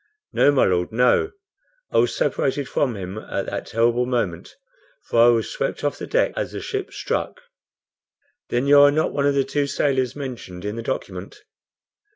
"No, my Lord, no. I was separated from him at that terrible moment, for I was swept off the deck as the ship struck." "Then you are not one of the two sailors mentioned in the document?"